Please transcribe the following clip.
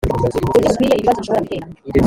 buryo bukwiye ibibazo bishobora gutera